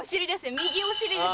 右お尻です。